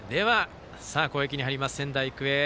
攻撃に入ります、仙台育英。